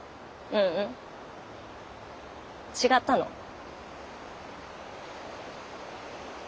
ううん違ったの。